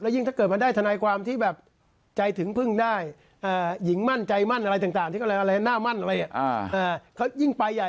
แล้วยิ่งถ้าเกิดมาได้ทนายความที่แบบใจถึงพึ่งได้อ่าหญิงมั่นใจมั่นอะไรต่างต่าง